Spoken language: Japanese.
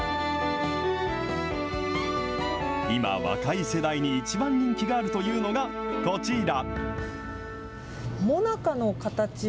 今、若い世代に一番人気があるというのがこちら。